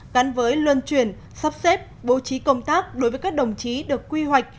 gắn với luân chuyển sắp xếp bố trí công tác đối với các đồng chí được quy hoạch